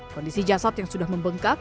kondisi jasad yang sudah membengkak